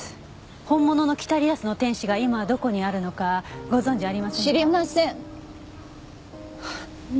本物の『北リアスの天使』が今どこにあるのかご存じありませんか？